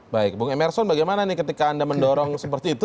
baik bung emerson bagaimana nih ketika anda mendorong seperti itu